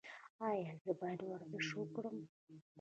ایا زه باید ورزش وکړم؟